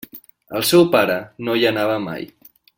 El seu pare no hi anava mai.